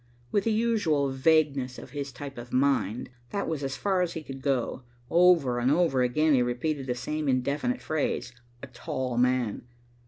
With the usual vagueness of his type of mind, that was as far as he could go. Over and over again he repeated the same indefinite phrase, a tall man.